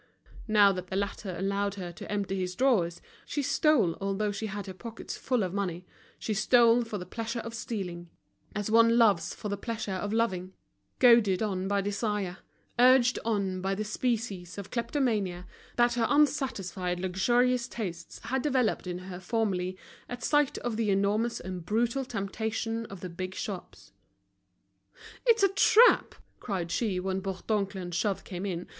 Now that the latter allowed her to empty his drawers, she stole although she had her pockets full of money, she stole for the pleasure of stealing, as one loves for the pleasure of loving, goaded on by desire, urged on by the species of kleptomania that her unsatisfied luxurious tastes had developed in her formerly at sight of the enormous and brutal temptation of the big shops. "It's a trap," cried she, when Bourdoncle and Jouve came in.